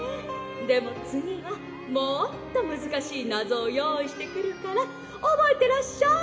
でもつぎはもっとむずかしいナゾをよういしてくるからおぼえてらっしゃい！